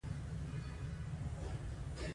دا راپور د یوې بلې میداني څېړنې په اړه دی.